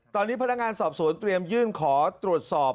ตอนนี้พนักงานสอบสวนเตรียมยื่นขอตรวจสอบ